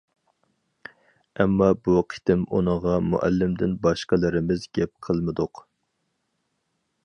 ئەمما بۇ قېتىم ئۇنىڭغا مۇئەللىمدىن باشقىلىرىمىز گەپ قىلمىدۇق.